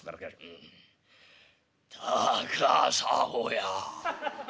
『たかさごや』」。